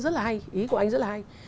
rất là hay ý của anh rất là hay